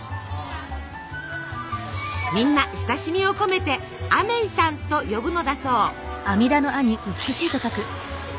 みんな親しみを込めてアメイさんと呼ぶのだそう。